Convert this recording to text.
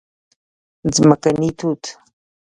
🍓ځمکني توت